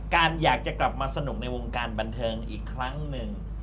การอยากจะกลับมาสนุกในวงการบันเทิงอีกครั้งหนึ่ง